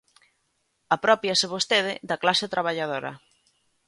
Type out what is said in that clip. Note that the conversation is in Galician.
Aprópiase vostede da clase traballadora.